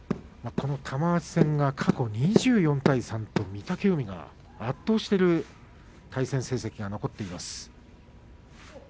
玉鷲戦、過去２４対３と御嶽海が圧倒している対戦成績が残っています。